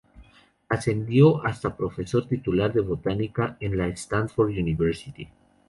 Ascendió hasta profesor titular de Botánica en la Stanford University.